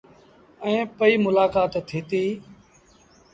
ائيٚݩ رو پئيٚ ملآڪآت ٿيٚتيٚ۔